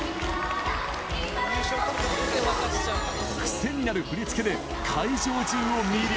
癖になる振り付けで、会場中を魅了。